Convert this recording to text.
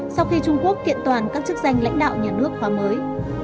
sau khi trung quốc tiện toàn các chức danh lãnh đạo nhà nước hóa mới